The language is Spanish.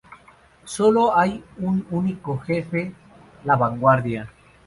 Solo hay un único jefe: La Vanguardia.